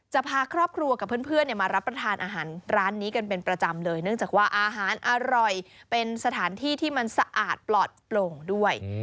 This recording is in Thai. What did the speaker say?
จะพาครอบครัวกับเพื่อนมารับประทานอาหารร้านนี้กันเป็นประจำเลยเนื่องจากว่าอาหารอร่อยเป็นสถานที่ที่มันสะอาดปลอดโปร่งด้วย